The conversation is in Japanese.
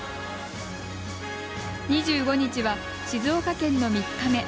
２５日は、静岡県の３日目。